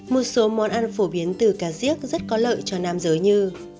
một số món ăn phổ biến từ cá riếc rất có lợi cho nam giới như